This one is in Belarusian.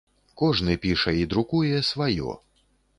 Кожны піша і друкуе сваё.